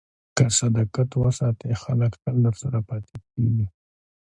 که صداقت وساتې، خلک تل درسره پاتې کېږي.